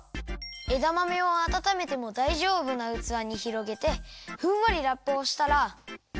えだまめをあたためてもだいじょうぶなうつわにひろげてふんわりラップをしたら。